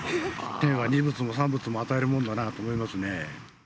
天は二物も三物も与えるものだなと思いますね。